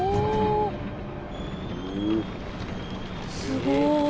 すごい！